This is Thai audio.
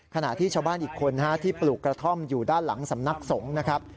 ขณะที่ชาวบ้านอีกคนที่ปลูกกระท่อมอยู่ด้านหลังสำนักสงฆ์นะครับ